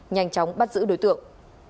nhanh chóng bắt giữ đối tượng